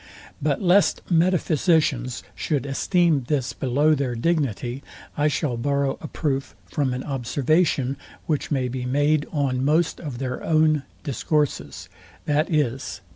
But lest metaphysicians should esteem this below their dignity, I shall borrow a proof from an observation, which may be made on most of their own discourses, viz.